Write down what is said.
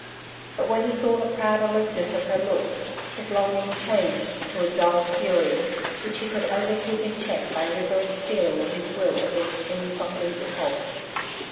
But when he saw the proud aloofness of her look, his longing changed to a dull fury, which he could only keep in check by rigorous steeling of his will against any softening impulse.